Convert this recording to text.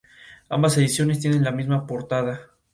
Debido a esto, tuvo que usar seudónimos en sus trabajos.